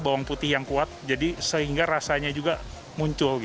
bawang putih yang sedang di upon brainsowski hai ini juga taruh di dasar wajah bentuk soyorum ini